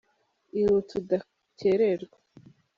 Ihute udakererwa.